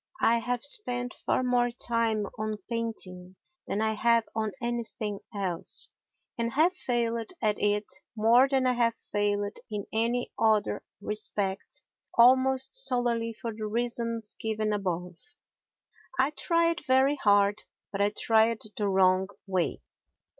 I have spent far more time on painting than I have on anything else, and have failed at it more than I have failed in any other respect almost solely for the reasons given above. I tried very hard, but I tried the wrong way.